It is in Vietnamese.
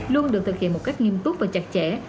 luôn được thực hiện một cách nghiêm túc và chặt chẽ